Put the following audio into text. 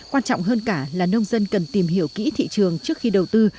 quan trọng hơn cả là nông dân cần tìm hiểu kỹ thị trường trước khi đầu tư